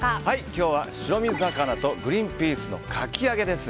今日は白身魚とグリーンピースのかき揚げです。